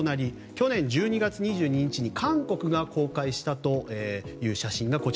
去年１２月２２日に韓国が公開したという写真。